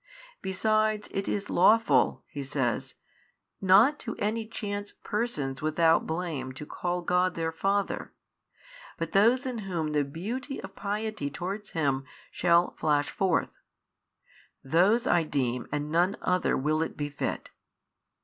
Besides it is lawful (He says) not to any chance persons without blame to call God their Father, but those in whom the beauty of piety towards Him shall flash forth, those I deem and none other will it befit.